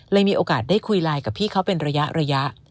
มีโอกาสได้คุยไลน์กับพี่เขาเป็นระยะ